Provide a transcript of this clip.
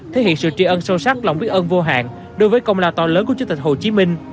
thể hiện sự tri ân sâu sắc lòng biết ơn vô hạn đối với công lao to lớn của chủ tịch hồ chí minh